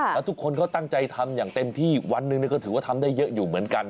แล้วทุกคนเขาตั้งใจทำอย่างเต็มที่วันหนึ่งก็ถือว่าทำได้เยอะอยู่เหมือนกัน